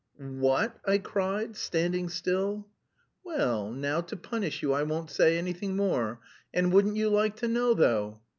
"Wha at!" I cried, standing still. "Well, now to punish you I won't say anything more, and wouldn't you like to know though?